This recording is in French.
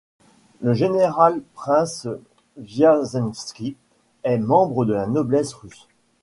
Le général-prince Wiazemsky est un membre de la noblesse russe.